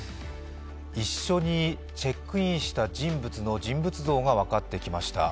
一緒にチェックインした人物の人物像が分かってきました。